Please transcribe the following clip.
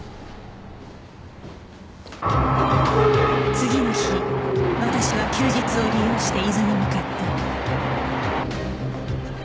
次の日私は休日を利用して伊豆に向かった